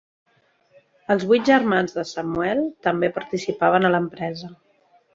Els vuit germans de Samuel també participaven a l'empresa.